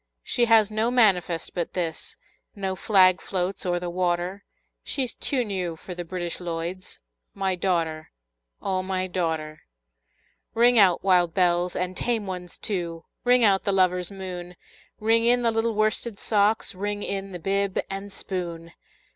She has no manifest but this, No flag floats o'er the water, She's too new for the British Lloyds My daughter, O my daughter! Ring out, wild bells, and tame ones too! Ring out the lover's moon! Ring in the little worsted socks! Ring in the bib and spoon!